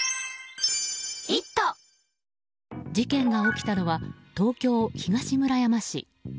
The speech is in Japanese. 事件が起きたのは東京・東村山市。